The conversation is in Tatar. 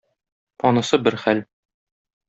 Анысы бер хәл.